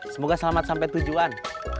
semoga selamat sampai tujuan